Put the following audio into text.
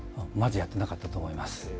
やっていなかったと思います。